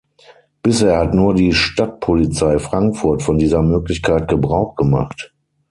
Bisher hat nur die Stadtpolizei Frankfurt von dieser Möglichkeit Gebrauch gemacht.